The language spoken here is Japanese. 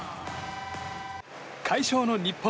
快勝の日本。